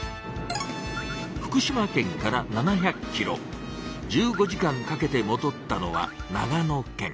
福島県から７００キロ１５時間かけてもどったのは長野県。